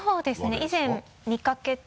以前見かけて。